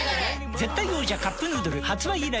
絶対王者「カップヌードル」発売以来